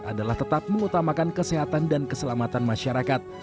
adalah tetap mengutamakan kesehatan dan keselamatan masyarakat